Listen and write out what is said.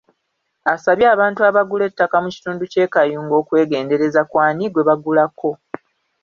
Asabye abantu abagula ettaka mu kitundu ky’e Kayunga okwegendereza ku ani gwe bagulako.